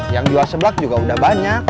yang jual seblak juga udah banyak